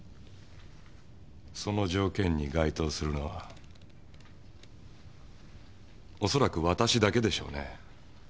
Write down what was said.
その条件に該当するのはおそらく私だけでしょうね。